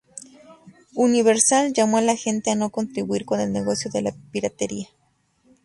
Universal llamó a la gente a no contribuir con el negocio de la piratería.